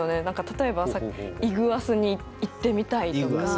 例えばイグアスに行ってみたいとか。